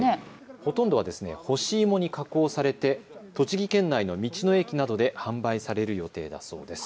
ほとんどは干し芋に加工されて栃木県内の道の駅などで販売される予定だそうです。